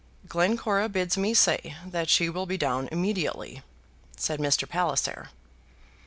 "Glencora bids me say that she will be down immediately," said Mr. Palliser.